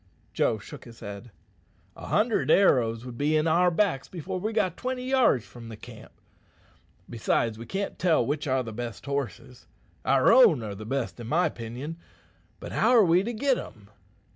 Joe shook his head. "A hundred arrows would be in our backs before we got twenty yards from the camp. Besides, we can't tell which are the best horses. Our own are the best in my 'pinion, but how are we to git' em?"